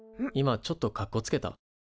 今ちょっとかっこつけた？